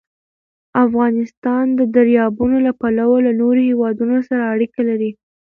افغانستان د دریابونه له پلوه له نورو هېوادونو سره اړیکې لري.